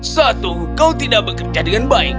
satu kau tidak bekerja dengan baik